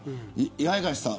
八重樫さん